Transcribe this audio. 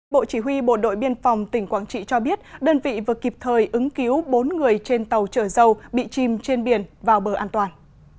bộ chỉ huy bộ đội biên phòng tỉnh quảng trị cho biết đơn vị vừa kịp thời ứng cứu bốn người trên tàu chở dầu bị chim trên biển vào bờ an toàn